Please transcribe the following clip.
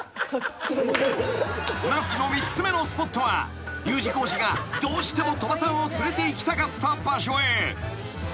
［那須の３つ目のスポットはＵ字工事がどうしても鳥羽さんを連れていきたかった場所へ］